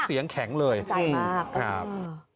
เสียงแข็งเลยใจมาก